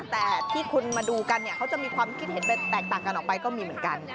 แต่ที่คุณมาดูกันเนี่ยเขาจะมีความคิดเห็นไปแตกต่างกันออกไปก็มีเหมือนกัน